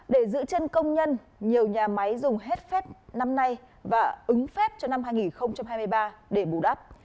để giữ chân công nhân nhiều nhà máy dùng hết phép năm nay và ứng phép cho năm hai nghìn hai mươi ba để bù đắp